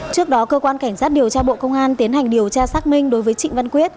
trước đó cơ quan cảnh sát điều tra bộ công an tiến hành điều tra xác minh đối với trịnh văn quyết